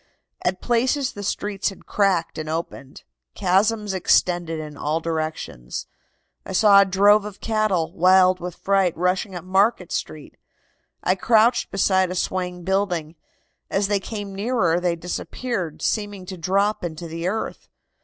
"At places the streets had cracked and opened. Chasms extended in all directions. I saw a drove of cattle, wild with fright, rushing up Market Street. I crouched beside a swaying building. As they came nearer they disappeared, seeming to drop into the earth.